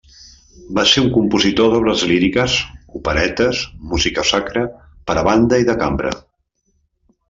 Va ser un compositor d'obres líriques, operetes, música sacra, per a banda i de cambra.